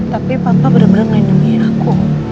tapi papa bener bener melindungi aku